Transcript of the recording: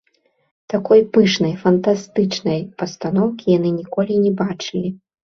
Такой пышнай фантастычнай пастаноўкі яны ніколі не бачылі.